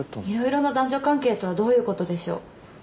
いろいろな男女関係とはどういうことでしょう。